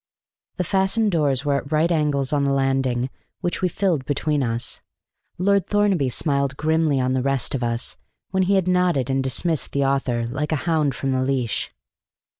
The fastened doors were at right angles on the landing which we filled between us. Lord Thornaby smiled grimly on the rest of us, when he had nodded and dismissed the author like a hound from the leash.